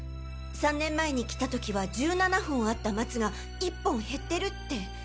３年前に来た時は１７本あった松が１本減ってるって。